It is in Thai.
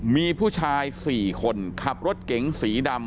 มีผู้ชาย๔คนขับรถเก๋งสีดำ